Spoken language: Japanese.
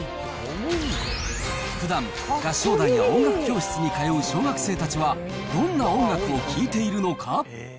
ふだん、合唱団や音楽教室に通う小学生たちは、どんな音楽を聴いているのか？